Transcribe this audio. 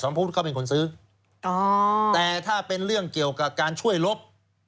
พุทธเขาเป็นคนซื้อแต่ถ้าเป็นเรื่องเกี่ยวกับการช่วยลบ